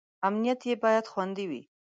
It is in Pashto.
امنیت یې باید خوندي وي.